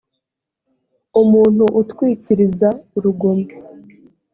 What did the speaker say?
umuntu utwikiriza urugomo